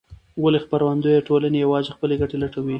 ولې خپرندویه ټولنې یوازې خپلې ګټې لټوي؟